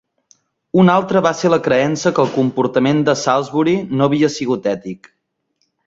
Un altre va ser la creença que el comportament de Salisbury no havia sigut ètic.